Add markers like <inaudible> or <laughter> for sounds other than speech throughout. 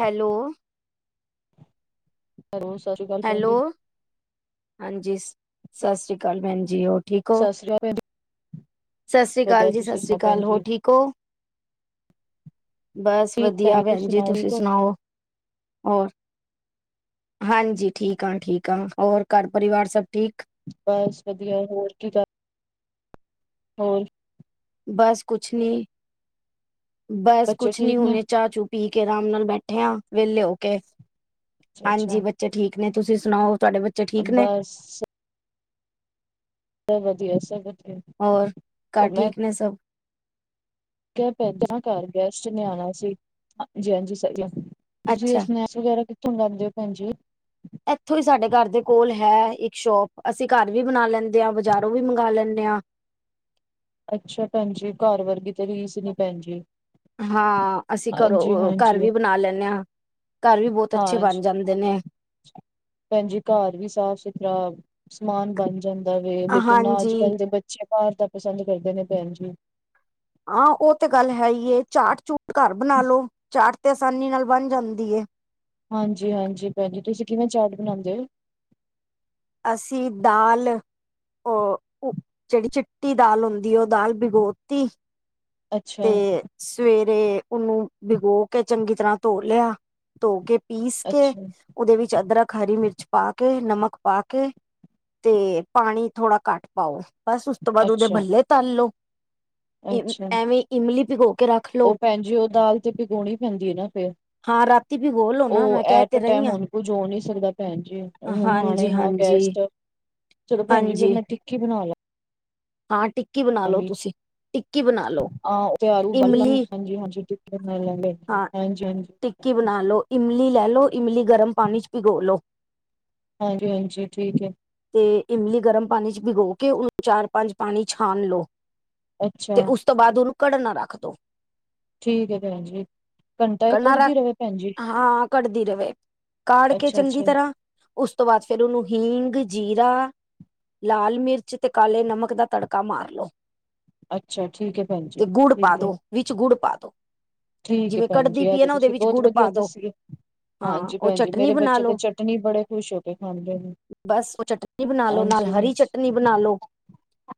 Hello. Hello ਸਤਿ ਸ੍ਰੀ ਅਕਾਲ ਭੈਣ ਹੈਲੋ ਜੀ। ਹਾਂਜੀ, ਸਤਿ ਸ੍ਰੀ ਅਕਾਲ ਭੈਣ ਜੀ ਔਰ ਸਤਿ ਸ੍ਰੀ ਅਕਾਲ ਭੈਣ ਜੀ। ਸਤਿ ਸ੍ਰੀ ਵਧੀਆ ਅਕਾਲ ਜੀ ਸਤਿ ਤੁਸੀਂ ਸ਼੍ਰੀ ਸੁਣਾਓ ਭੈਣ ਅਕਾਲ, ਹੋਰ ਜੀ। ਠੀਕ ਔ? ਬਸ ਠੀਕ ਵਧੀਆ ਭੈਣ ਜੀ, ਸੁਣਾਓ ਤੁਸੀਂ ਠੀਕ ਹੋ, ਸੁਣਾਓ? ਹੋਰ ਹਾਂਜੀ। ਠੀਕ ਆ ਠੀਕ ਆ। ਔਰ ਘਰ ਪਰਿਵਾਰ ਸਭ ਠੀਕ? ਬਸ ਵਧੀਆ, ਹੋਰ ਕੀ ਕਰ ਹੋਰ। ਬਸ ਕੁਛ ਨੀ ਬਸ ਬੱਚੇ ਕੁਛ ਨੀ ਠੀਕ ਨੇ, ਹੁਣੇ ਚਾਅ-ਚੁ ਪੀ ਕੇ ਰਾਮ ਨਾਲ ਬੈਠੇ ਆ ਵੇਲੇ ਹੋ ਕੇ ਹਾਂਜੀ ਅੱਛਾ-ਅੱਛਾ ਬਂਚ ਚੇ ਠੀਕ ਨੇ ਤੁਸੀਂ ਸੁਣਾਓ ਤੁਹਾਡੇ ਬੱਚ ਬੱਸ ਸਭ ਵਧੀਆ ਸਭ ਵਧੀਆ। ਹੋਰ ਘਰ ਉਹ ਠੀਕ ਨੇ ਸਭ? ਕਹਿੰਦੇ ਪਏ ਨਾ ਘਰ ਗੈਸਟ ਨੇ ਆਣਾ ਸੀ। ਹਾਂਜੀ ਹਾਂਜੀ ਸਹੀਂ ਐ, ਤੁਸੀਂ ਅੱਛਾ ਉਸਨੇ ਵਗੈਰਾ ਕਿੱਥੋਂ ਮੰਗਾਉਂਦੇ ਉ ਭੈਣਜੀ? ਐਥੋਂ ਈ ਸਾਡੇ ਘਰ ਦੇ ਕੋਲ ਹੈ ਇੱਕ ਸ਼ੋਪ। ਅਸੀਂ ਘਰ ਵੀ ਬਣਾ ਲੈਂਦੇ ਆਂ, ਬਜ਼ਾਰੋਂ ਵੀ ਮੰਗਾ ਲੈਂਨੇ ਆਂ। ਅੱਛਾ ਭੈਣਜੀ, ਘਰ ਵਰਗੀ ਤੇ ਰੀਸ ਨੀ ਭੈਣਜੀ। ਹਾਂ, ਅਸੀਂ ਘਰੋਂ ਘਰ ਵੀ ਬਣਾ ਲੈਂਨੇ ਆਂ, ਘਰ ਵੀ ਬੌਤ ਅੱਛੇ ਬਣ ਜਾਂਦੇ ਨੇ। ਭੈੇਣਜੀ ਘਰ ਵੀ ਸਾਫ-ਸੁਥਰਾ ਸਮਾਨ ਬਣ ਜਾਂਦਾ ਵੇ, ਲੇਕਿਨ ਹਾਂਜੀ ਅੱਜ-ਕੱਲ੍ਹ ਦੇ ਬੱਚੇ ਬਾਰ ਦਾ ਪਸੰਦ ਕਰਦੇ ਨੇ ਭੈਣ ਜੀ। ਹਾਂ, ਓਹ ਤੇ ਗੱਲ ਹੈਈ ਏ, ਚਾਟ-ਚੂਟ ਘਰ ਬਣਾ ਲੋ। ਚਾਟ ਤੇ ਆਸਾਨੀ ਨਾਲ ਬਣ ਜਾਂਦੀ ਏ। ਹਾਂਜੀ ਹਾਂਜੀ, ਭੈਣ ਜੀ ਤੁਸੀਂ ਕਿਵੇਂ ਚਾਟ ਬਣਾਂਦੇ ਔ? ਅਸੀਂ ਦਾਲ ਓ ਉ ਜੇੜੀ ਚਿੱਟੀ ਦਾਲ ਹੁੰਦੀ ਏ ਓਹ ਦਾਲ ਬਿਗੋਤੀ। ਅੱਛਾ ਤੇ ਸਵੇਰੇ ਉਹਨੂੰ ਭਿਗੋ ਕੇ ਚੰਗੀ ਤਰ੍ਹਾਂ ਧੋ ਲਿਆ- ਧੋ ਕੇ, ਪੀਸ ਕੇ, ਅੱਛਾ ਉਹਦੇ ਵਿੱਚ ਅਦਰਕ, ਹਰੀ ਮਿਰਚ ਪਾ ਕੇ, ਨਮਕ ਪਾ ਕੇ- ਕੇ ਤੇ ਪਾਣੀ ਥੋੜਾ ਘੱਟ ਪਾਓ ਬਸ ਉਸ ਤੋਂ ਬਾਅਦ ਉਹਦੇ ਅੱਛਾ ਭੱਲੇ ਤਾਲ ਲਓ, ਏਵੇਂ ਅੱਛਾ ਐਵੇਂ ਇਮਲੀ ਭਿਗੋ ਕੇ ਰੱਖ ਲੋ ਉਹ ਭੈਣ ਜੀ ਉਹ ਦਾਲ ਤੇ ਭਿਗੋਣੀ ਪੈਂਦੀ ਹੈ ਨਾ ਫਿਰ? ਹਾਂ ਰਾਤੀ ਭਿਗੋ ਲੋ ਨਾ ਉਹ ਮੈਂ ਕਹਿ ਐਟ ਤੇ ਰਹੀ ਟੈਮ ਹਾਂ ਹਣ ਕੁਝ ਹੋ ਨਹੀ ਸਕਦਾ ਭੈਣ ਜੀ ਹੁਣ ਹਣ ਹਾਂਜੀ ਇਨਾ- ਹਾਂਜੀ ਚਲੋ ਭੈਣ ਜੀ ਫੇਰ ਹਾਂਜੀ ਮੈਂ ਟਿੱਕੀ ਬਣਾ ਲਾ ਹਾਂ ਟਿੱਕੀ ਬਣਾ ਲਓ ਤੁਸੀਂ, ਟਿੱਕੀ ਬਣਾ ਲਓ। ਹਾਂ-ਹਾਂ, ਦਿਹਾੜੀ ਬਣ ਜਾਂਦੀ ਹਾਂਜੀ-ਹਾਂਜੀ, <unintelligible> ਹਾਂ ਹਾਂਜੀ-ਹਾਂਜੀ ਟਿੱਕੀ ਬਣਾ ਲੋ ਇਮਲੀ ਲੈ ਲਓ ਇਮਲੀ ਗਰਮ ਪਾਣੀ ਚ ਭਿਗੋ ਲਓ। ਹਾਂਜੀ-ਹਾਂਜੀ ਠੀਕ ਹੈ। ਤੇ ਇਮਲੀ ਗਰਮ ਪਾਣੀ ਚ ਭਿਗੋ ਕੇ ਉਹਨੂੰ ਚਾਰ-ਪੰਜ ਪਾਣੀ ਛਾਣ ਲਓ। ਤੇ ਅੱਛਾ ਉਸ ਤੋਂ ਬਾਅਦ ਉਹਨੂੰ ਕੜਨ ਨਾ ਰੱਖ ਦਿਉ। ਠੀਕ ਏ ਭੈਣ ਜੀ। ਘੰਟਾ ਇੱਕ ਪਹਿਲਾਂ ਕੱਢਦੀ ਰੱਖ, ਰਵੇ ਭੈਣ ਜੀ ਹਾਂ ਕਟਦੀ ਰਹੇ, ਕਾੜ ਕੇ ਅੱਛਾ ਚੰਗੀ ਅੱਛਾ ਤਰਾਂ- ਉਸ ਤੋਂ ਬਾਅਦ ਫੇਰ ਉਹਨੂੰ ਹੀਂਗ-ਜੀਰਾ, ਲਾਲ ਮਿਰਚ ਤੇ ਕਾਲੇ ਨਮਕ ਦਾ- ਤੜਕਾ ਮਾਰ ਲੋ, ਅੱਛਾ ਠੀਕ ਹੈ ਭੈਣ ਜੀ ਤੇ ਗੁੜ ਪਾ ਠੀਕ ਹੈ ਦੋ, ਵਿੱਚ ਗੁੜ ਪਾ ਦੋ। ਠੀਕ ਏ ਜਿਵੇਂ ਭੈਣ ਕੜਦੀ ਜੀ ਐ ਪਈ ਹੈ ਤੇ ਨਾ ਉਹਦੇ ਤੁਸੀਂ ਵਿੱਚ ਬੋਤ ਗੁੜ ਵਧੀਆ ਪਾ ਦੋ ਦੱਸੀਏ। ਹਾਂ ਹਾਂਜੀ ਉਹ ਭੈਣ ਜੀ ਚਟਨੀ ਮੇਰੇ ਬਣਾ ਬੱਚੇ ਤੇ ਲੋ ਚਟਨੀ ਬੜੇ ਖ਼ੁਸ਼ ਹੋ ਕੇ ਖਾਂਦੇ ਨੇ। ਬਸ ਉਹ ਚਟਨੀ ਬਣਾ ਲੋ ਨਾਲ ਹਾਂਜੀ ਹਾਂਜੀ ਹਰੀ ਚਟਨੀ ਬਣਾ ਲੋ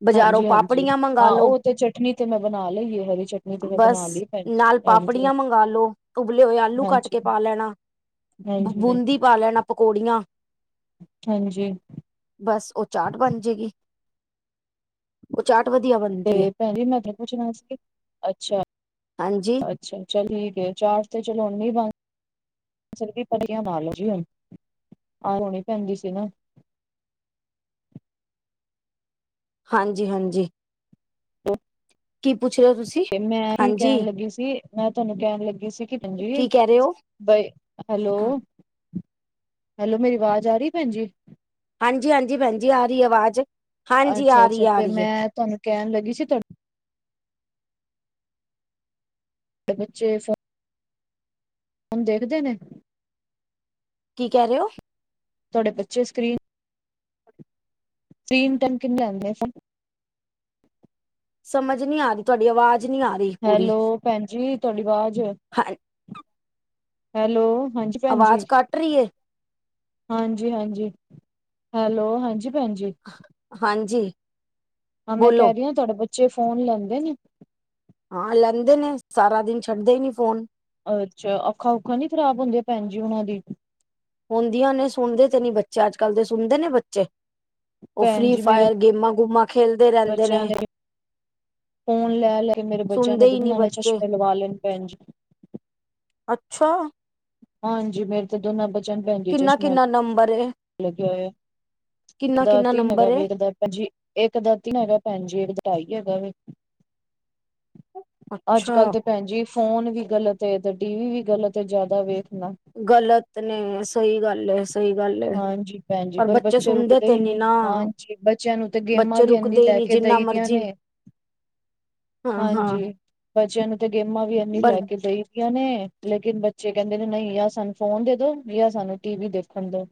ਬਾਜ਼ਾਰੋਂ, ਹਾਂਜੀ ਹਾਂਜੀ, ਪਾਪੜੀਆਂ ਮਂਗ- ਹਾਂ ਉਹ ਤੇ ਚਟਨੀ ਤੇ ਮੈਂ ਬਣਾ ਲਈ ਏ ਹਰੀ ਚਟਨੀ ਤੇ ਮੈਂ ਬਸ ਬਣਾ ਲਈ ਏ ਭੈਣ ਜੀ। ਨਾਲ ਹਾਂਜੀ ਪਾਪੜੀਆਂ ਮੰਗਾ ਲੋੋ, ਉੁਬਲੇ ਹੋਏ ਆਲੂ ਕੱਟ ਹਾਂਜੀ ਕੇ ਪਾ ਲੈਣਾ, ਹਾਂਜੀ ਹਾਂਜੀ ਬੂੰਦੀ- ਪਾ ਲੈਣਾ ਪਕੌੜੀਆਂ। ਹਾਂਜੀ। ਬਸ ਉਹ ਚਾਟ ਬਣ ਜਾਏਗੀ। ਉਹ ਚਾਟ ਵਧੀਆ ਬਨੀ- ਤੇ ਭੈਣ ਜੀ ਮੈਂ ਤੇ ਪੁੱਛਣਾ ਸੀ, ਅੱਛਾ ਹਾਂਜੀ ਆ। ਅੱਛਾ ਚੱਲੀ ਗਏ ਚਾਰ ਤੇ ਚਲੋ ਉੱਨੀ ਬੰ- ਚਲੋ ਜੀ ਪਟਰੀਆਂ ਪਾ ਲਓ ਜੀ ਹੁਣ, ਆਹ ਹੋਣੀ ਪੈਂਦੀ ਸੀ ਨਾ। ਹਾਂਜੀ-ਹਾਂਜੀ। ਔ- ਰਹੇ ਹੋ ਤੁਸੀਂ ਤੇ ਮੈਂ ਕੀ ਕਹਿਣ ਹਾਂਜੀ ਲੱਗੀ ਸੀ, ਮੈਂ ਤੁਹਾਨੂੰ ਕਹਿਣ ਲੱਗੀ ਸੀ ਕਿ ਭੈਣ ਜੀ- ਕੀ ਕਹਿ ਰਹੇ ਹੋ ਬ ਹੈਲੋ, ਹੈਲੋਮੇਰੀ ਆਵਾਜ਼ ਆ ਰਹੀ ਭੈਣ ਜੀ? ਹਾਂਜੀ-ਹਾਂਜੀ ਭੈਣ ਜੀ ਆ ਰਹੀ ਏ ਆਵਾਜ਼। ਹਾਂਜੀ ਆ ਅੱਛਾ-ਅੱਛਾ ਰਹੀ ਆ ਤੇ ਰਹੀ ਹੈ ਮੈਂ ਤੁਹਾਨੂੰ ਕਹਿਣ ਲੱਗੀ ਸੀ ਤੁਹਾ- ਤੇ ਬੱਚੇ ਸ- ਹੁਣ ਦੇਖਦੇ ਨੇ? ਕੀ ਕਹਿ ਰਹੇ ਹੋ? ਤੁਹਾਡੇ ਬੱਚੇ ਸਕਰੀਨ- ਸਕਰੀਨ ਟਾਈਮ ਕਿੰਨੇ ਆਉਦੇ ਆ ਸਬ? ਸਮਝ ਨੀ ਆ ਰੀ ਤੁਹਾਡੀ ਆਵਾਜ਼ ਨੀ ਆਰੀ। ਹੈਲੋ ਭੈਣ ਜੀ ਤੁਹਾਡੀ ਆਵਾਜ਼, ਹਾਂ ਹੈਲੋ ਹਾਂਜੀ- ਭੈਜੀ, ਆਵਾਜ਼ ਕੱਟ ਰਹੀ ਹੈ ਹਾਂਜੀ-ਹਾਂਜੀ, ਹੈਲੋ ਹਾਂਜੀ ਭੈਣਜੀ? ਹਾਂਜੀ। ਹਾਂ ਮੈਂ ਬੋਲੋ ਕਹਿ ਰਹੀ ਹਾਂ ਤੁਹਾਡੇ ਬੱਚੇ ਫੋਨ ਲੈਂਦੇ ਨੇ? ਹਾਂ ਲੈਂਦੇ ਨੇ ਸਾਰਾ ਦਿਨ ਛੱਡਦੇ ਹੀ ਨੀ ਫੋਨ। ਅੱਛਾ ਅੱਖਾਂ ਓਖਾਂ ਨੀ ਖ਼ਰਾਬ ਹੁੰਦੀਆਂ ਭੈਣ ਜੀ ਉਹਨਾਂ ਦੀ? ਹੁੰਦੀਆਂ ਨੇ ਸੁਣਦੇ ਤੇ ਨੀ ਬੱਚੇ ਅੱਜ-ਕੱਲ ਦੇ ਸੁਣਦੇ ਨੇ ਬੱਚੇ? ਉਹ ਭੈਣ ਫ੍ਰਰੀ ਜੀ ਮੇਰੇ ਫਾਇਰ ਗੇਮਾਂ-ਗੁਮਾ ਖੇਲਦੇ ਰਹਿੰਦੇ ਨੇ। ਫੋਨ ਲੈ ਲਏ ਮੇਰੇ ਬੱਚਿਆਂ ਨੇ ਸੁਣਦੇ ਹੀ ਦ ਨਹੀਂ ਨੇ ਬੱਚੇ ਚਸ਼ਮੇ ਲਵਾ ਲੈਣ ਨੇ ਪੈਣ ਜੀ। ਅੱਛਾ! ਹਾਂਜੀ ਮੇਰੇ ਤਾਂ ਦੋਨਾਂ ਬੱਚ- ਕਿੰਨਾ- ਕਿੰਨਾ ਨੰਬਰ ਏ? ਲੱ ਕੇ ਕਿੰਨਾ ਹੋਇਆ ਕਿੰਨਾ ਨੰਬਰ ਏ <unintelligible> ਭਜੀ ਇੱਕ ਦਾ ਤ ਹੈਗਾ ਭੈਣ ਜੀ ਇੱਕ ਦਾ ਢਾਈ ਹੈਗਾ ਏ। ਅੱਜ -ਕੱਲ ਅੱਛਾ ਤੇ ਭੈਣ ਜੀ ਫੋਨ ਵੀ ਗ਼ਲਤ ਏ ਤੇ ਟੀ ਵੀ ਵੀ ਗ਼ਲਤ ਏ ਜ਼ਿਆਦਾ ਵੇਖਣਾ। ਗਲਤ ਨੇ ਸਹੀ ਗੱਲ ਏ। ਸਹੀ ਗੱਲ ਏ ਹਾਂਜੀ। ਭੈਣਜੀ ਪਰ ਬੱਚੇ ਰੁਕਦੇ ਈ ਨੀ। ਹਾਂਜੀ। ਬੱਚਿਆਂ ਨੂੰ ਤੇ ਗੇਮਾਂ ਬੱਚੇ ਵੀ ਇਨੀ ਰੁਕਦੇ ਹੀ ਲੈ ਨੀ ਕੇ। ਕਿ ਜਿੰਨਾ ਦੇਈ ਦੀਆਂ ਮਰਜੀ ਨੇ ਹਾਂ ਹਾਂ ਹਾਂਜੀ। ਬੱਚਿਆਂ ਨੂੰ ਤੇ ਗੇਮਾਂ ਵੀ ਇਨੀ ਪਰ ਲੈ ਕੇ ਦੇ ਨੇ ਲੇਕਿਨ ਬੱਚੇ ਕਹਿੰਦੇ ਨੇ ਨਹੀਂ ਯਾ ਸਾਨੂੰ ਫੋਨ ਦੇ ਦੋ ਜਾਂ ਸਾਨੂੰ ਟੀ ਵੀ ਦੇਖਣ ਦੋ।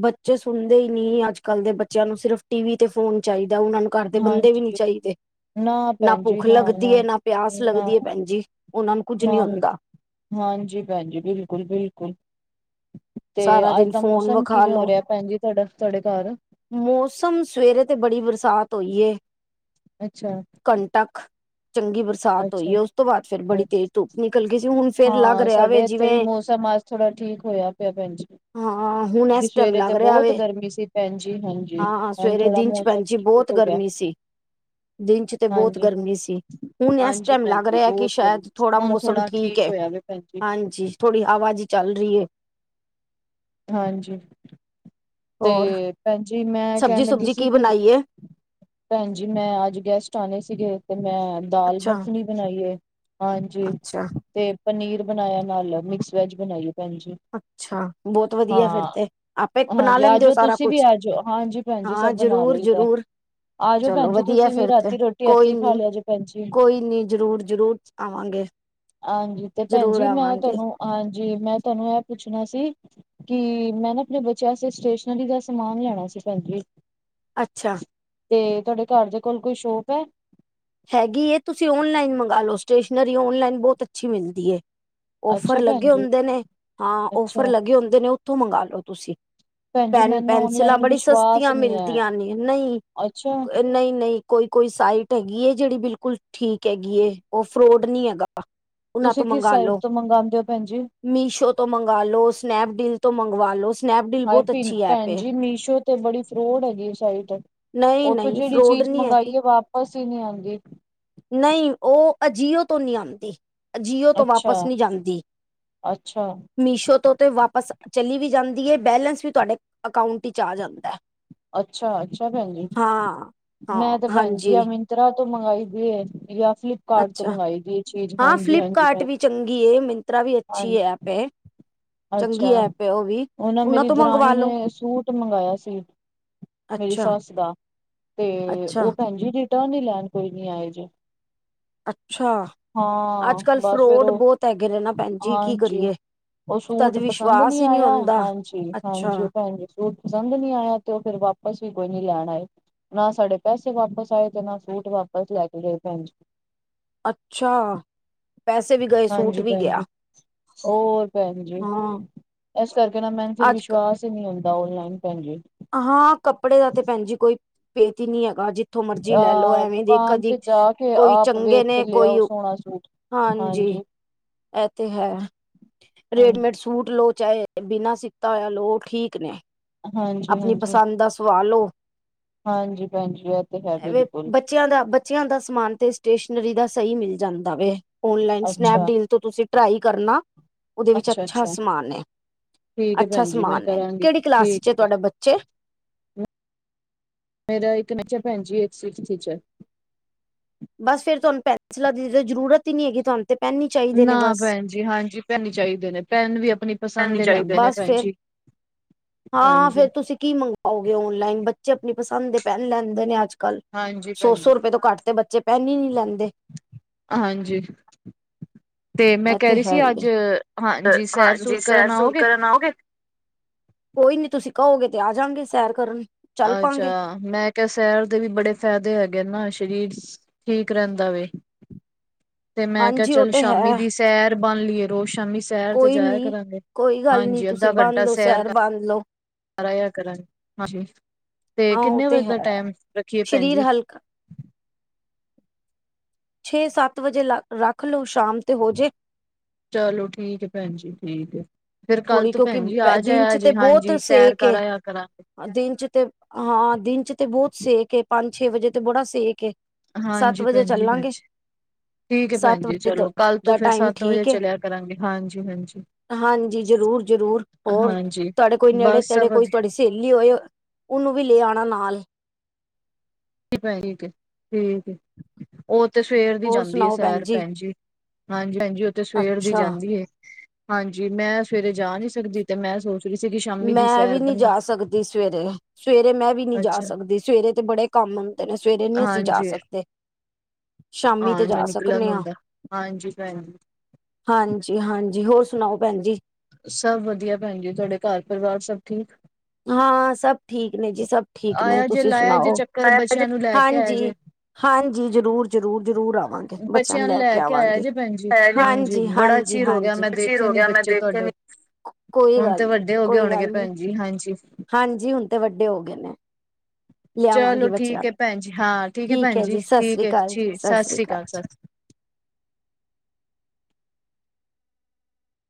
ਬੱਚੇ ਸੁਣਦੇ ਹੀ ਨਹੀਂ ਅੱਜ -ਕੱਲ ਦੇ ਬੱਚਿਆਂ ਨੂੰ ਸਿਰਫ ਟੀ ਵੀ ਤੇ ਫੋਨ ਚਾਹੀਦਾ ਉਹਨਾਂ ਨੂੰ। ਘਰਦੇ ਬੰਦੇ ਵੀ ਨੀ ਹਾਂਜੀ ਚਾਹੀਦੇ। ਨਾ ਭੁੱਖ ਲੱਗਦੀ ਏ। ਨਾ ਪਿਆਸ ਨਾ ਲੱਗਦੀ ਏ ਭੈਣਜੀ। ਉਹਨਾ ਨੂੰ ਕੁੱਝ ਨਾ ਨੀ ਹੁੰਦਾ। ਹਾਂਜੀ। ਭੈਣ ਜੀ। ਬਿਲਕੁਲ -ਬਿਲਕੁਲ। ਤੇ ਸਾਰਾ ਅੱਜ ਦਿਨ ਦਾ ਫੋਨ ਮੌਸਮ ਵਿਖਾ ਕਿਵੇਂ ਹੋ ਲੋ ਰਿਹਾ ਭੈਣ ਜੀ ਤੁਹਾਡਾ -ਤੁਹਾਡੇ ਘਰ ਮੌਸਮ ਸਵੇਰੇ ਤੇ ਬੜੀ ਬਰਸਾਤ ਹੋਈ ਏ। ਅੱਛਾ। ਘੰਟਾ ਕ ਚੰਗੀ ਬਰਸਾਤ ਹੋਈ ਏ। ਅੱਛਾ। ਉਸ ਤੋਂ ਬਾਅਦ ਫੇਰ ਬੜੀ ਤੇਜ਼ ਧੁੱਪ ਨਿਕਲ ਗਈ ਸੀ ਹੁਣ। ਫੇਰ ਲੱਗ ਹਾਂ। ਰਿਹਾ ਵੇ ਸਾਡੇ ਇੱਥੇ ਜਿਵੇਂ ਵੀ ਮੌਸਮ ਅੱਜ ਥੋੜਾ ਠੀਕ ਹੋਇਆ ਪਿਆ ਭੈਣ ਜੀ। ਹਾਂ। ਹੁਣ ਦੀ ਇਸ ਟਾਈਮ ਸਵੇਰੇ ਲੱਗ ਤੇ ਰਿਹਾ ਬਹੁਤ ਵੇ। ਗਰਮੀ ਸੀ ਭੈਣ ਜੀ ਹਾਂਜੀ ਹੁਣ ਸਵੇਰੇ ਥੋੜਾ ਦਿਨ ਚ ਮੌਸਮ ਭੈਣ ਜੀ ਠੀਕ ਬਹੁਤ ਹੋ ਗਿਆ। ਗਰਮੀ ਸੀ। ਦਿਨ 'ਚ ਤੇ ਬਹੁਤ ਹਾਂਜੀ ਗਰਮੀ ਸੀ। ਹੁਣ ਇਸ ਹਾਂਜੀ ਟਾਈਮ ਭੈਣ ਲੱਗ ਜੀ ਰਿਹਾ ਕਿ ਬਹੁਤ ਗਰਮੀ ਸ਼ਾਇਦ ਸੀ ਥੋੜ੍ਹਾ ਹੁਣ ਮੌਸਮ ਥੋੜਾ ਠੀਕ ਹੈ। ਹੋਇਆ ਵੇ ਭੈਣ ਜੀ। ਹਾਂਜੀ। ਥੋੜੀ ਹਵਾ ਜ ਚੱਲ ਰਹੀ ਏ। ਹਾਂਜੀ। ਤੇ ਹੋਰ ਭੈਣਜੀ ਮੈਂ ਕਹਿਣ ਸਬਜ਼ੀ ਲੱਗੀ ਸੁਬਜੀ ਸੀ। ਕੀ ਕਿ ਬਣਾਈ ਏ? ਭੈਣ ਜੀ। ਮੈਂ ਅੱਜ ਗੈਸਟ ਆਉਣੇ ਸੀਗੇ ਤੇ ਮੈਂ ਦਾਲ ਅੱਛਾ, ਮੱਖਣੀ ਬਣਾਈਏ। ਹਾਂਜੀ। ਅੱਛਾ, ਤੇ ਪਨੀਰ ਬਣਾਇਆ ਨਾਲ ਮਿਕਸ ਵੈਜ ਬਣਾਈਏ। ਭੈਣ ਜੀ। ਅੱਛਾ ਬਹੁਤ ਹਾਂ। ਵਧੀਆ ਫਿਰ ਤੇ ਆਪੇ ਬਣਾ ਹਾਂਜੀ। ਆ ਲੈਂਦੇ ਹੋ ਜਾਓ ਸਾਰਾ ਤੁਸੀਂ ਵੀ ਕੁਛ ਆ ਜਾਓ ਹਾਂਜੀ। ਭੈਣਜੀ ਹਾਂ ਸਭ ਬਣਾ ਜ਼ਰੂਰ ਲਈ ਦਾ। ਜ਼ਰੂਰ ਆ ਜਾਓ। ਚਲੋ ਭੈਣ ਜੀ। ਵਧੀਆ ਤੁਸੀਂ ਵੀ ਫਿਰ ਤੇ ਰਾਤੀ ਰੋਟੀ ਇੱਥੇ ਕੋਈ ਹੀ ਖਾ ਨੀ ਲਿਆ ਜੇ ਭੈਣ ਜੀ। ਕੋਈ ਨੀ ਜ਼ਰੂਰ ਜ਼ਰੂਰ ਆਵਾਂਗੇ ਹਾਂਜੀ। ਤੇ ਭੈਣ ਜ਼ਰੂਰ ਜੀ ਮੈਂ ਆਵਾਂਗੇ ਤੁਹਾਨੂੰ ਹਾਂਜੀ ਮੈਂ ਤੁਹਾਨੂੰ ਏਹ ਪੁੱਛਣਾ ਸੀ। ਕਿ ਮੈਂ ਨਾ ਆਪਣੇ ਬੱਚਿਆਂ ਵਾਸਤੇ ਸਟੇਸ਼ਨਰੀ ਦਾ ਸਮਾਨ ਲੈਣਾ ਸੀ। ਭੈਣ ਜੀ। ਅੱਛਾ। ਤੇ ਤੁਹਾਡੇ ਘਰ ਦੇ ਕੋਲ ਕੋਈ ਸ਼ੋਪ ਹੈ। ਹੈਗੀ ਇਹ ਤੁਸੀਂ ਓਨਲਾਈਨ ਮੰਗਾ ਲਓ ਸਟੇਸ਼ਨਰੀ ਓਨਲਾਈਨ ਬਹੁਤ ਅੱਛੀ ਮਿਲਦੀ ਏ। ਔਫਰ ਅੱਛਾ ਭੈਣ ਲੱਗੇ ਜੀ ਹੁੰਦੇ ਨੇ। ਹਾਂ ਓਫਰ ਅੱਛਾ ਲੱਗੇ ਹੁੰਦੇ ਨੇ। ਉੱਥੋਂ ਮੰਗਵਾ ਲਓ ਤੁਸੀਂ ਭੈਣ ਜੀ ਪੈਨ ਮੈਨੂੰ -ਪੈਨਸਿਲਾਂ ਔਨਲਾਈਨ ਬੜੀ ਵਿਸ਼ਵਾਸ ਸਸਤੀਆਂ ਨਹੀਂ ਹੈ ਮਿਲਦੀਆਂ ਨੇ। ਨਹੀਂ ਅੱਛਾ -ਨਹੀਂ- ਨਹੀਂ। ਕੋਈ -ਕੋਈ ਸਾਈਟ ਹੈਗੀ ਏ। ਜਿਹੜੀ ਬਿਲਕੁਲ ਠੀਕ ਹੈਗੀ ਏ। ਉਹ ਫਰੋਡ ਨੀ ਹੈਗਾ। ਉਹਨਾਂ ਤੁਸੀਂ ਤੋਂ ਕਿਸ ਮੰਗਵਾ ਸਾਈਡ ਲੋ ਤੋਂ ਮੰਗਵਾਉਂਦੇ ਹੋ। ਭੈਣ ਜੀ। ਮੀਸ਼ੋ ਤੋਂ ਮੰਗਵਾ ਲੋ। ਸਨੈਪਡੀਲ ਤੋਂ ਮੰਗਵਾ ਲੋ। ਸਨੈਪਡੀਲ ਹਾਏ ਬਹੁਤ ਭ ਅੱਛੀ ਐਪ ਭੈਣ ਏ ਜੀ ਮੀਸ਼ੋ ਤੇ ਬੜੀ ਫਰੋਡ ਹੈਗੀ ਸਾਈਟ। ਨਹੀਂ ਉੱਥੋਂ ਨਹੀਂ ਜਿਹੜੀ ਫਰੋਡ ਚੀਜ਼ ਨਹੀਂ ਹੈਗੀ ਮੰਗਾਈਏ ਵਾਪਸ ਈ ਨਹੀਂ ਆਉਂਦੀ। ਨਹੀਂ ਉਹ ਅਜੀਿਓ ਤੋਂ ਨਹੀਂ ਆਉਂਦੀ। ਅਜੀਓ ਤੋਂ ਅੱਛਾ ਵਾਪਸ ਨਹੀਂ ਜਾਂਦੀ। ਅੱਛਾ ਮੀਸ਼ੋ ਤੋਂ ਤੇ ਵਾਪਸ ਚਲੀ ਵੀ ਜਾਂਦੀ ਏ। ਬੈਲੈਂਸ ਵੀ ਤੁਹਾਡੇ ਅਕਾਊਂਟ ਵਿੱਚ ਆ ਜਾਂਦਾ ਹੈ। ਅੱਛਾ -ਅੱਛਾ ਭੈਣ ਜੀ। ਹਾਂ ਮੈਂ ਤੇ ਭੈਣ ਜੀ ਹਾਂਜੀ ਐਵੇ ਹੀ। ਤਰ੍ਹਾਂ ਤੋਂ ਮੰਗਾਈ ਦੀ ਏ ਜਾਂ ਫਿਰ ਅੱਛਾ, ਹਾਂ ਫਲਿਪਕਾਰਟ ਭੈਣ ਵੀ ਜੀ ਚੰਗੀ ਹੈ ਮਿੰਤਰਾ ਵੀ ਅੱਛੀ ਹਾਂਜੀ ਐਪ ਏ। ਚੰਗੀ ਅੱਛਾ, ਐਪ ਹੈ ਵੀ ਉਹ ਨਾਂ ਉਹਨਾਂ ਮੇਰੀ ਤੋਂ ਦਰਨੀ ਮੰਗਵਾ ਲੋ ਨੇ ਸੂਟ ਮੰਗਾਇਆ ਸੀ। ਮੇਰੀ ਅੱਛਾ ਸੱਸ ਦਾ, ਤੇ ਅੱਛਾ ਉਹ ਭੈਣ ਜੀ ਰਿਟਰਨ ਹੀ ਲੈਣ ਕੋਈ ਨੀ ਆਇਆ ਜੇ। ਅੱਛਾ <inaudible> ਹਾਂ ਅੱਜ ਕੱਲ ਬਸ ਫੇਰ ਫਰੋਡ ਉਹ, ਬਹੁਤ ਹੈਗੇ ਨੇ ਨਾ ਭੈਣ ਜੀ ਕੀ ਹਾਂਜੀ ਕਰੀਏ ਉਜ ਤਦ ਸੂਟ ਪਸੰਦ ਵਿਸ਼ਵਾਸ ਨੀਂ ਹੀ ਨਹੀਂ ਆਇਆ ਹੁੰਦਾ ਅੱਛਾ ਹਾਂਜੀ-ਹਾਂਜੀ। ਭੈਣ ਜੀ ਸੂਟ ਪਸੰਦ ਨੀਂ ਆਇਆ ਤੇ ਉਜ ਫੇਰ ਵਾਪਸ ਵੀ ਕੋਈ ਨੀ ਲੈਣ ਆਏ। ਨਾ ਸਾਡੇ ਪੈਸੇ ਵਾਪਸ ਆਏ ਤੇ ਨਾ ਸੂਟ ਵਾਪਸ ਲੈ ਕੇ ਗਏ ਭੈਣ ਜੀ। ਅੱਛਾ ਪੈਸੇ ਵੀ ਗਏ ਸੂਟ ਹਾਂਜੀ ਵੀ ਭੈਣ ਗਿਆ ਜੀ, ਹੋਰ ਭੈਣ ਜੀ, ਹਾਂ ਇਸ ਕਰਕੇ ਨਾ ਮੈਨੂੰ ਫਿਰ ਅੱਜ ਕ- ਵਿਸ਼ਵਾਸ ਈ ਨੀ ਹੁੰਂਦਾ ਔਨਲਾਈਨ ਭੈਣ ਜੀ। ਹਾਂ ਕੱਪੜੇ ਦਾ ਤੇ ਭੈਣ ਜੀ ਕੋਈ, ਪੇਤ ਈ ਨੀਂ ਹੈਗਾ ਜੇ। ਜਿਥੋਂ ਮਰਜੀ ਲੈ ਲੋੋ ਅਹ ਐਵੇਂ ਦੇਖ ਦੁਕਾਨ ਕਦੀ, ਤੇ ਜਾ ਕੇ ਕੋਈ ਆਪ ਚੰਗੇ ਵੇਖ ਕੇ ਨੇ ਕੋਈ ਲਿਆਓ ਸੋਹਣਾ ਸੂਟ ਹਾਂਜੀ, ਐ ਤੇ ਹੈ, ਹਾਂਜੀ ਰੇਡੀਮੇਟ ਸੂਟ ਲੋ ਚਾਏ ਬਿਨਾਂ ਸਿੱਤਾ ਹੋਇਆ ਲੋ ਉਹ ਠੀਕ ਨੇ। ਹਾਂਜੀ ਆਪਨੀ ਹਾਂਜੀ ਪਸੰਦ ਦਾ ਸਵਾ ਲੋ। ਹਾਂਜੀ ਭੈਣ ਜੀ ਐ ਤੇ ਹੈ ਐਵੇਂ ਬਿਲਕੁਲ। ਬੱਚਿਆਂ ਦਾ ਬੱਚਿਆਂ ਦਾ ਸਮਾਨ ਤੇ ਸਟੇਸ਼ਨਰੀ ਦਾ ਸਈ ਮਿਲ ਜਾਂਦਾ ਵੇ। ਔਨਲਾਈਨ ਸਨੈਪ ਅੱਛਾ ਡੀਲ ਤੋਂ ਤੁਸੀਂ ਟਰਾਈ ਕਰਨਾ, ਉਹਦੇ ਵਿੱਚ ਅੱਛਾ ਸਮਾਨ ਏ। ਠੀਕ ਹੈ ਅੱਛਾ ਭੈਣ ਜੀ ਮੈਂ ਸਮਾਨ ਏ, ਕਰਾਂਗੀ ਕਿਹੜੀ ਕਲਾਸ ਠੀਕ 'ਚ ਹੈ ਏ ਤੁਹਾਡੇ ਭੈਣ ਬੱਚੇ। ਮੇਰਾ ਇੱਕ ਨਚਾ ਪੈਨ ਜੀ <unintelligible> ਬਸ ਫੇਰ ਤੁਹਾਨੂੰ ਪੈਸਲਾਂ ਦੀ ਜ਼ਰੂਰਤ ਈ ਨੀ ਹੈਗੀ ਤੁਹਾਨੂੰ ਤੇ ਪੈਨ ਈ ਚ ਨਾ ਭੈਣ ਜੀ ਹਾਂਜੀ ਪੈਨ ਚਾਹੀਦੇ ਨੇ ਪੈਨ ਵੀ ਆਪਨੀ ਬਸ ਫੇਰ, ਹਾਂ-ਹਾਂ ਫੇਰ ਹਾਂਜੀ ਤੁਸੀਂ ਕੀ ਮੰਗੋ ਆਓਗੇ ਔਨਲਾਈਨ ਬੱਚੇ ਆਪਨੀ ਪਸੰਦ ਦੇ ਪੈਨ ਲੈਂਦੇ ਨੇ ਅੱਜ ਕੱਲ੍ਹ, ਹਾਂਜੀ ਭੈਣ ਜੀ ਸੌ-ਸੌ ਰੁਪਏ ਤੋਂ ਘੱਟ ਤੇ ਬੱਚੇ ਪੈਨ ਈ ਨੀ ਲੈਂਦੇ। ਹਾਂਜੀ। ਤੇ ਮੈਂ ਇਹ ਕੇ ਰੀ ਹੈ ਸੀ ਹੀ ਅੱਜ, ਹੈ ਹਾਂਜੀ ਹਾਂਜੀ ਸੈਰ-ਸੂਰ ਸੈਰ ਕਰਨ ਸੂਰ ਆਓਗੇ। ਕਰਨ ਆਓਗੇ ਕੋਈ ਨੀਂ ਤੁਸੀਂ ਕਹੋਗੇ ਤੇ ਆਜਾਗੇ ਸੈਰ ਕਰਨ। ਚੱਲ ਪਾਂਗੇ ਅੱਛਾ। ਮੈਂ ਕਿਆ ਸ਼ੈਰ ਦੇ ਵੀ ਬੜੇ ਫਾਇਦੇ ਹੈਗੇ ਨਾ ਸਰੀਰ ਠੀਕ ਰਹਿੰਦਾ ਵੇ। ਤੇ ਮੈਂ ਕਿਆ ਹਾਂਜੀ ਉਹ ਚੱਲ ਤੇ ਸ਼ਾਮੀ ਹੈ ਦੀ ਸੈਰ ਬਨ ਲੀਏ ਰੋਜ਼ ਸ਼ਾਮੀ ਸੈਰ ਤੇ ਕੋਈ ਜਾਇਆ ਨੀ ਕਰਾਂਗੇ, ਕੋਈ ਗੱਲ ਨੀ ਹਾਂਜੀ ਤੁਸੀਂ ਅੱਧਾ ਬੰਨ ਘੰਟਾ ਲਓ ਸੈਰ ਕਰ ਬੰਨ ਲੋ ਘਰ ਆਏ ਆ ਕਰਨ, ਹਾਂਜੀ ਤੇ ਹਾਂ ਉਹ ਕਿੰਨੇ ਵਜੇ ਹੈ ਦਾ ਟੈਮ ਰੱਖੀਏ ਭੈਣ ਸਰੀਰ ਜੀ। ਹਲਕਾ ਛੇ ਸੱਤ ਵਜੇ ਲ ਰੱਖ ਲੋੋ ਸ਼ਾਮ ਤੇ ਹੋਜੇ। ਚਲੋ ਠੀਕ ਏ ਭੈਣ ਜੀ ਠੀਕ ਏ। ਫੇਰ ਕੱਲ ਥੋੜ੍ਹੀ ਤੋ ਕਿਉਂਕਿ ਭੈਣ ਜੀ ਆ ਦਿਨ ਜਿਆ ਚ ਤੇ ਜੇ ਬਹੁਤ ਹਾਂਜੀ ਸੈਰ ਸੇਕ ਕਰ ਏ ਆਇਆ ਕਰਾਗੇ। ਦਿਨ 'ਚ ਤੇ ਹਾਂ ਦਿਨ 'ਚ ਤੇ ਬੋਤ ਸੇਕ ਏ ਪੰਜ ਛੇ ਵਜੇ ਤੇ ਬੜਾ ਸੇਕ ਏ। ਸੱਤ ਹਾਂਜੀ ਵਜੇ ਭੈਣ ਜੀ ਚੱਲਾਂਗੇ। ਹਾਂਜੀ। ਠੀਕ ਏ ਭੈਣ ਸੱਤ ਜੀ ਵਜੇ ਦ ਚਲੋ ਕੱਲ ਤੋਂ ਦਾ ਫਿਰ ਟਾਈਮ ਸੱਤ ਵਜੇ ਠੀਕ ਏ ਚਲਿਆ ਕਰਾਂਗੇ ਹਾਂਜੀ-ਹਾਂਜੀ। ਜ਼ਰੂਰ-ਜ਼ਰੂਰ, ਹੋਰ ਤੁਹਾਡੇ ਕੋਈ ਬਸ ਸਭ ਨੇੜੇ-ਤੇੜੇ ਵਧੀਆ ਕੋਈ ਤੁਆਡੀ ਸੈੈਲੀ ਹੋਏ, ਉਹਨੂੰ ਵੀ ਲੈ ਆਨਾ ਨਾਲ। ਭੈ ਠੀਕ ਏ, ਠੀਕ ਏ, ਉ ਤੇ ਸਵੇਰ ਦੀ ਹੋਰ ਜਾਂਦੀ ਏ ਸੁਣਾਓ ਭੈਣ ਸੈਰ ਪੈਨ ਜੀ ਹਾਂਜੀ-ਹਾਂਜੀ ਓ ਤੇ ਸਵੇਰ ਦੀ ਅੱਛਾ ਜਾਂਦੀ ਏ ਹਾਂਜੀ ਮੈਂ ਸਵੇਰੇ ਜਾ ਨੀ ਸਕਦੀ ਤੇ ਮੈਂ ਸੋਚ ਰਹੀ ਸੀ ਕਿ ਸ਼ਾਮੀ ਦੀ ਮੈਂ ਵੀ ਸੈਰ ਨੀਂ ਬਣਾ ਜਾ ਸਕਦੀ ਸਵੇਰੇ, ਸਵੇਰੇ ਮੈਂ ਵੀ ਨੀ ਜਾ ਅੱਛਾ ਸਕਦੀ ਸਵੇਰੇ ਤੇ ਬੜੇ ਕੰਮ ਹੁੰਦੇ ਨੇ ਸਵੇਰੇ ਨੀ ਅਸੀਂ ਜਾ ਹਾਂਜੀ ਸਕਦੇ ਸ਼ਾਮੀ ਤੇ ਹਾਂ ਨੀ ਜਾ ਨਿਕਲਣ ਸਕਨੇ ਹਾਂ ਹੁੰਦਾ, ਹਾਂਜੀ ਪੈਨ ਜੀ ਹਾਂਜੀ-ਹਾਂਜੀ ਹੋਰ ਸੁਣਾਓ ਪੈਨ ਜੀ ਸਭ ਵਧੀਆ ਪੈਣ ਜੀ ਤੁਆਡੇ ਘਰ ਪਰਿਵਾਰ ਸਭ ਠੀਕ। ਹਾਂ ਸਭ ਠੀਕ ਨੇ ਜੀ, ਸਭ ਠੀਕ ਨੇ। ਆਇਆ ਜੇ ਤੁਸੀਂ ਲਾਇਆ ਜੇ ਸੁਣਾਓ, ਚੱਕਰ ਬੱਚਿਆਂ ਨੂੰ ਲੈ ਕੇ ਆਇਆ ਹਾਂਜੀ। ਜੇ ਹਾਂਜੀ ਜ਼ਰੂਰ-ਜਰੂਰ-ਜਰੂਰ ਆਵਾਂਗੇ। ਬੱਚਿਆਂ ਨੂੰ ਲੈ ਕੇ ਆਇਆ ਆਵਾਂਗੇ, ਜੇ ਭੈਣ ਜੀ ਹਾਂਜੀ ਹਾਂ ਬੜਾ ਜੀ ਚਿਰ ਹੋ ਗਿਆ ਹਾਂਜੀ, ਮੈਂ ਬਰਾ ਚਿਰ ਦੇਖੇ ਹੋ ਨੀ ਗਿਆ ਮੈਂ ਬੱਚੇ ਦੇਖੇ ਨੀ। ਤੁਹਾਡੇ ਕੋਈ ਹੁਣ ਗੱਲ ਤੇ ਨੀ ਵੱਡੇ ਹੋ ਗੇ ਕੋਈ ਹੋਣਗੇ ਗੱਲ ਨੀ ਪੈਨ ਜੀ ਹਾਂਜੀ। ਹਾਂਜੀ ਹੁਣ ਤੇ ਵੱਡੇ ਹੋ ਗਏ ਨੇ। ਚਲੋ ਲਿਆਵਾਂਗੀ ਬੱਚਿਆਂ ਠੀਕ ਏ ਨੂੰ ਪੈਣ ਜੀ, ਹਾਂ ਠੀਕ ਏ ਪੈਣ ਹੈ ਜੀ। ਸਤਿ ਠੀਕ ਸ੍ਰੀ ਏ ਅਕਾਲ ਚੀ ਸਤਿ ਸ੍ਰੀ ਸਾਸ ਰੀ ਅਕਾਲ ਕਾਲ ਸਾਸ